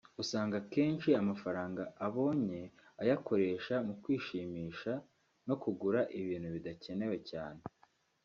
usanga kenshi amafaranga abonye ayakoresha mu kwishimisha no kugura ibintu bidakenewe cyane